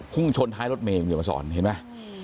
พุ่งชนท้ายรถเมคันนี้มาสอนเห็นไหม